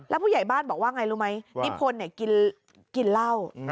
ผู้ใหญ่บ้านบอกว่าไงรู้ไหมนิพนธ์กินเหล้า